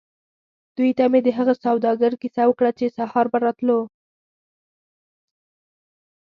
دوی ته مې د هغه سوداګر کیسه وکړه چې سهار به راتلو.